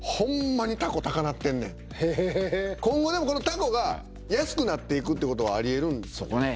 今後でもこのタコが安くなっていくってことはあり得るんですかね？